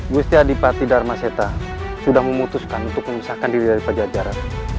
gusti adipati dharmaseta sudah memutuskan untuk memisahkan diri dari pajajaran